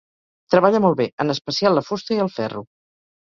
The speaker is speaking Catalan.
Treballa molt bé, en especial la fusta i el ferro.